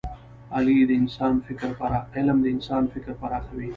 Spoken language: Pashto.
علم د انسان فکر پراخوي.